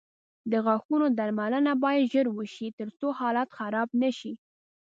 د غاښونو درملنه باید ژر وشي، ترڅو حالت خراب نه شي.